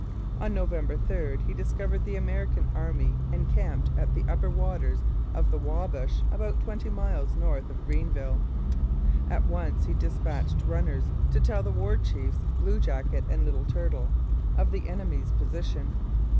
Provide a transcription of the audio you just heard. On November 3 he discovered the American army encamped at the upper waters of the Wabash about twenty miles north of Greenville. At once he dispatched runners to tell the war chiefs Blue Jacket and Little Turtle of the enemy's position.